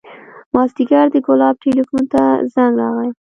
مازديګر د ګلاب ټېلفون ته زنګ راغى.